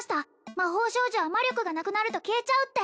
魔法少女は魔力がなくなると消えちゃうって